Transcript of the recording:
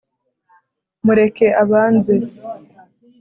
mureke abanze